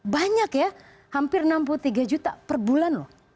banyak ya hampir enam puluh tiga juta per bulan loh